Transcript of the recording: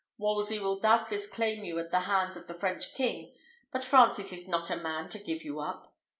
Wolsey will doubtless claim you at the hands of the French king; but Francis is not a man to give you up.